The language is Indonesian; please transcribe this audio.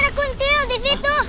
rekun tile di situ